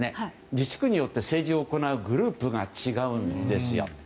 自治区によって政治を行うグループが違うんですよ。